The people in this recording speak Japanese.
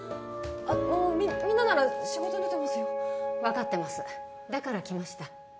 あのみんななら仕事出てますよ分かってますだから来ましたえっ？